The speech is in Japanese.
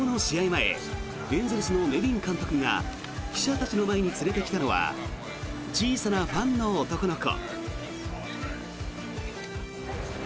前エンゼルスのネビン監督が記者たちの前に連れてきたのは小さなファンの男の子。